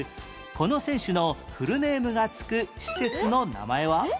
この選手のフルネームが付く施設の名前は？